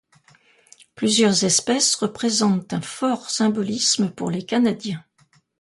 Plusieurs espèces représentent un fort symbolisme pour les canadiens.